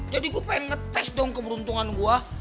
jadi gue pengen ngetes dong keberuntungan gue